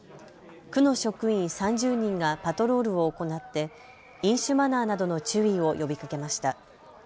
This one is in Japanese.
区の職員３０人がパトロールを行って飲酒マナーなどの注意を呼びかけました。